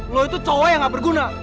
lu itu cowok yang gak berguna